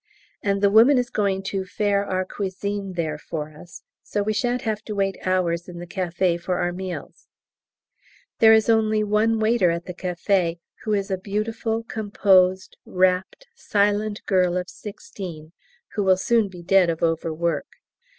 And the woman is going to faire our cuisine there for us, so we shan't have to wait hours in the café for our meals. There is only one waiter at the café, who is a beautiful, composed, wrapt, silent girl of 16, who will soon be dead of overwork.